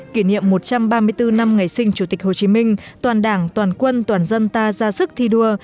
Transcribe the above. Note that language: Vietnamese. kỷ niệm một trăm ba mươi bốn năm ngày sinh chủ tịch hồ chí minh toàn đảng toàn quân toàn dân ta ra sức thi đua